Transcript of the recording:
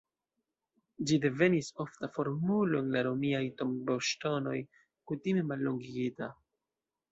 Ĝi devenis ofta formulo en la romiaj tomboŝtonoj, kutime mallongigita.